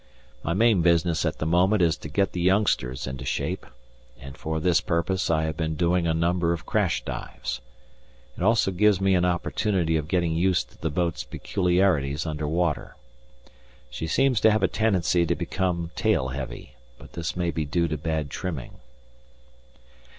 My main business at the moment is to get the youngsters into shape, and for this purpose I have been doing a number of crash dives. It also gives me an opportunity of getting used to the boat's peculiarities under water. She seems to have a tendency to become tail heavy, but this may be due to bad trimming.